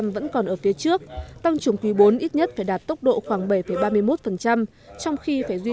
vẫn còn ở phía trước tăng trưởng quý bốn ít nhất phải đạt tốc độ khoảng bảy ba mươi một trong khi phải duy